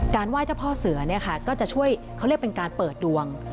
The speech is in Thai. ไหว้เจ้าพ่อเสือเนี่ยค่ะก็จะช่วยเขาเรียกเป็นการเปิดดวง